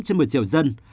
trên một mươi triệu dân